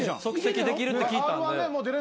即席できるって聞いたんで。